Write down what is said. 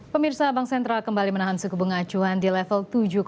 pemirsa bank sentral kembali menahan suku bunga acuan di level tujuh